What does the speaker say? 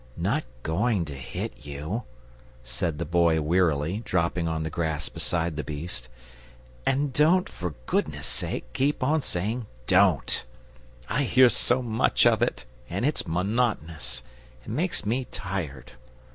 "Not goin' to hit you," said the Boy wearily, dropping on the grass beside the beast: "and don't, for goodness' sake, keep on saying `Don't;' I hear so much of it, and it's monotonous, and makes me tired.